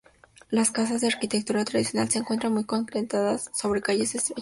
Las casas, de arquitectura tradicional, se encuentran muy concentradas sobre calles estrechas.